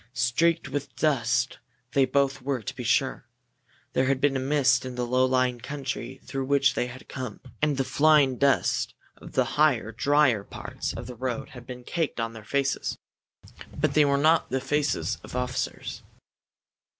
Streaked with dust they both were, to be sure. There had been a mist in the low lying country through which they had come, and the flying dust of the higher, drier parts of the road had caked on their faces. But they were not the faces of officers.